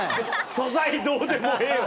素材どうでもええわ！